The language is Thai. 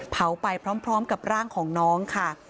เผาไปพร้อมกับร่างของน้องค่ะ